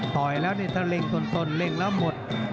ต่อยแล้วนี่ถ้าเร่งต้นเร่งแล้วหมด